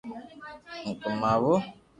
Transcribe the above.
ھون ڪماوُ